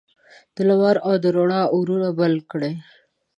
د لمر او د روڼا اورونه بل کړي